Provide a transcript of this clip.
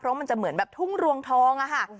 เพราะมันจะเหมือนแบบทุ่งรวงทองอะค่ะ